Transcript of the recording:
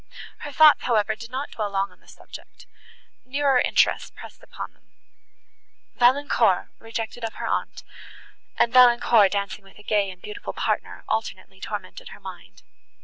Her thoughts, however, did not dwell long on the subject; nearer interests pressed upon them; Valancourt, rejected of her aunt, and Valancourt dancing with a gay and beautiful partner, alternately tormented her mind.